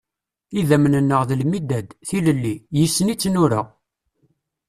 Idammen-nneɣ d lmidad, tilelli, yis-sen i tt-nura.